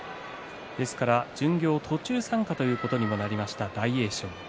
ですから巡業、途中参加ということになりました大栄翔。